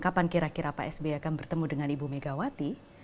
kapan kira kira pak sby akan bertemu dengan ibu megawati